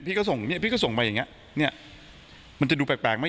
ก็ส่งเนี้ยพี่ก็ส่งไปอย่างเงี้ยเนี่ยมันจะดูแปลกไหม